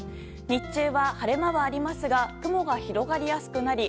日中は、晴れ間はありますが雲が広がりやすくなり